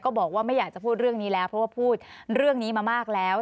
บอกว่าไม่อยากจะพูดเรื่องนี้แล้วเพราะว่าพูดเรื่องนี้มามากแล้ว